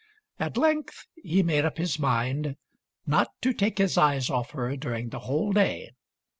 At length he made up his mind not to take his eyes off her during the whole day.